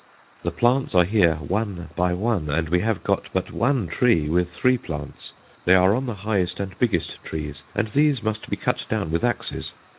"The plants are here one by one, and we have got but one tree with three plants. They are on the highest and biggest trees, and these must be cut down with axes.